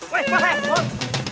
weh pak hai pohon